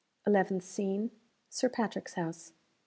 ELEVENTH SCENE. SIR PATRICK'S HOUSE.